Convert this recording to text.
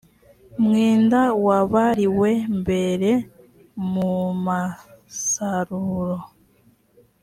mwenda wabariwe mbere mu musaruro